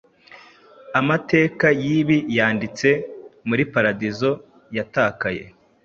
Amateka yibi yanditse muri Paradizo Yatakaye,